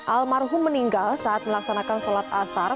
almarhum meninggal saat melaksanakan sholat asar